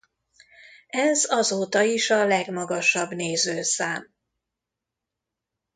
Ez azóta is a legmagasabb nézőszám.